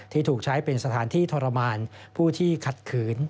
ถูกใช้เป็นสถานที่ทรมานผู้ที่ขัดขืน